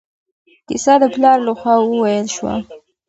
کیسه د پلار له خوا وویل شوه.